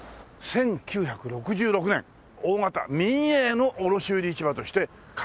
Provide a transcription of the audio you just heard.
１９６６年大型民営の卸売市場として開場したという事でね。